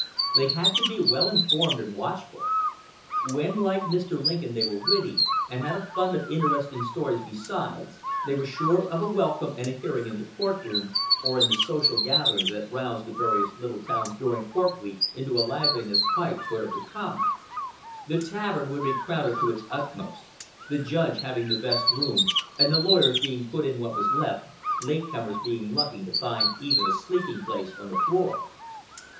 They had to be well informed and watchful. When, like Mr. Lincoln, they were witty, and had a fund of interesting stories besides, they were sure of a welcome and a hearing in the courtroom, or in the social gatherings that roused the various little towns during "court week" into a liveliness quite put of the common. The tavern would be crowded to its utmost the judge having the best room, and the lawyers being put in what was left, late comers being lucky to find even a sleeping place on the floor.